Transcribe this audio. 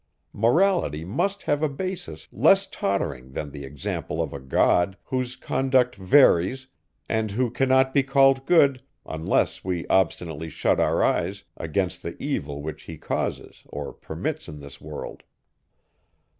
Morality must have a basis less tottering than the example of a God, whose conduct varies, and who cannot be called good, unless we obstinately shut our eyes against the evil which he causes or permits in this world.